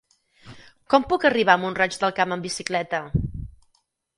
Com puc arribar a Mont-roig del Camp amb bicicleta?